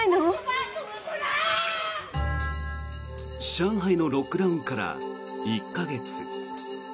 上海のロックダウンから１か月。